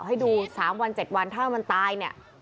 ให้ดู๓วัน๗วันถ้ามันตายเนี่ย